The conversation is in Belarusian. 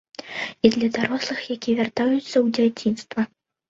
І для дарослых, якія вяртаюцца ў дзяцінства.